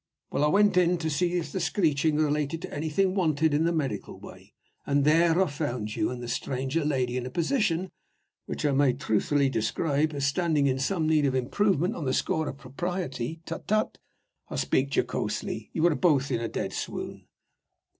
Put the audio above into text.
Well, I went in to see if the screeching related to anything wanted in the medical way; and there I found you and the stranger lady in a position which I may truthfully describe as standing in some need of improvement on the score of propriety. Tut! tut! I speak jocosely you were both in a dead swoon.